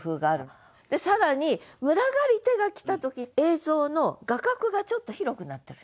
で更に「群がりて」が来た時映像の画角がちょっと広くなってる。